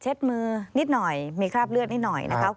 มือนิดหน่อยมีคราบเลือดนิดหน่อยนะคะ